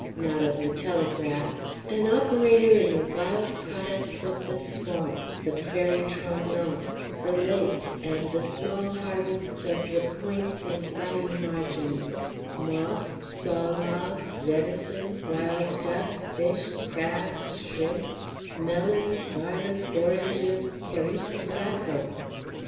not of the telegraph; an operator in the wild products of the swamp, the prairies tremblantes, the lakes, and in the small harvests of the pointes and bayou margins: moss, saw logs, venison, wild duck, fish, crabs, shrimp, melons, garlic, oranges, Périque tobacco.